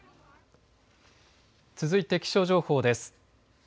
続いて気象情報です。